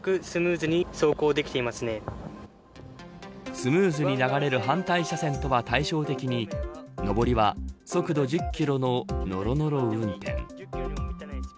スムーズに流れる反対車線とは対照的に上りは速度１０キロののろのろ運転。